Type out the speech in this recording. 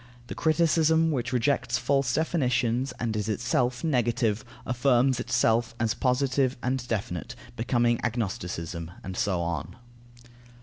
The criticism which rejects false definitions, and is itself negative, affirms itself as positive and definite, becoming agnosticism; and so on.